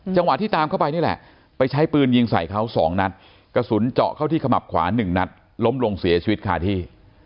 จังหวะที่ตามเข้าไปนี่แหละไปใช้ปืนยิงใส่เขา๒นัดกระสุนเจาะเข้าที่ขมับขวา๑นัดล้มลงเสียชีวิตคาที่